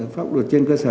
pháp luật trên cơ sở